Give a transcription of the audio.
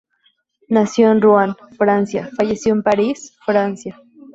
Nacido en Ruan, Francia, falleció en París, Francia.